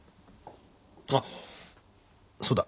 あっそうだ。